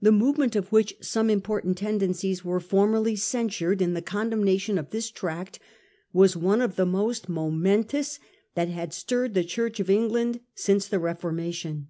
The movement, of which some im portant tendencies were formally censured in the con demnation of this tract, was one of the most momen tous that had stirred the Church of England since the Reformation.